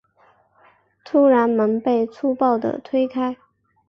突然门被粗暴的推开